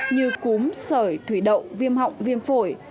như cúm sởi thủy đậu viêm họng viêm phổi